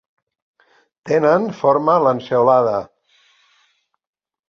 Tenen forma lanceolada.